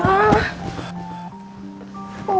mama kenapa